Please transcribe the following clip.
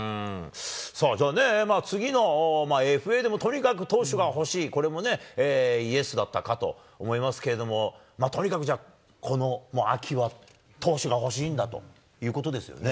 じゃあ、次のＦＡでもとにかく投手が欲しい、これもね、ＹＥＳだったかと思いますけれども、とにかくじゃあ、この秋は投手が欲しいんだということですよね。